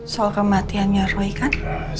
soal kematiannya roy kan